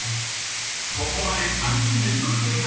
［ここまで３人連続正解］